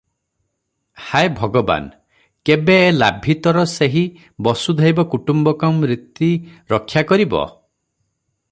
ହାୟ ଭଗବାନ, କେବେ ଏ ଲାଭିତର ସେହି 'ବସୁ ଧୈବ କୁଟୁମ୍ବକଂ' ରୀତି ରକ୍ଷା କରିବ?